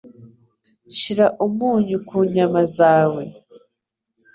Shira umunyu ku nyama zawe.